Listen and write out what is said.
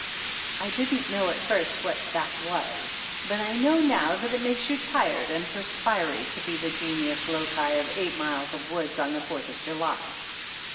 I didn't know at first what that was, but I know now that it makes you tired and perspiry to be the genius loci of eight miles of woods on the Fourth of July.